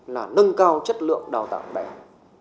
là nâng cao chất lượng đào tạo đại học